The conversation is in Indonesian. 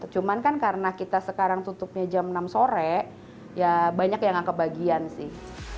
cuman kan karena kita sekarang tutupnya jam enam sore ya banyak yang kebagian sih